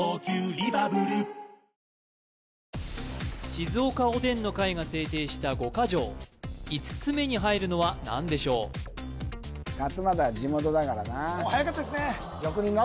静岡おでんの会が制定した五ヶ条５つ目に入るのは何でしょうはやかったですね